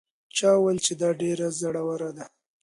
چا وویل چې دا ډېره زړه وره ده.